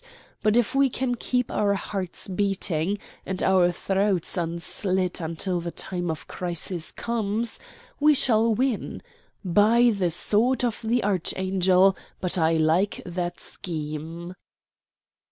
But if we can keep our hearts beating and our throats unslit until the time of crisis comes, we shall win. By the sword of the archangel, but I like the scheme!"